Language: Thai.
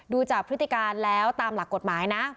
ดูจากพฤติการแล้วตามหลักกฎหมายนะ